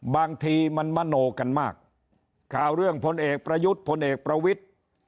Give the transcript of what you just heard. บางทีมันมโนกันมากข่าวเรื่องพลเอกประยุทธ์พลเอกประวิทธิ์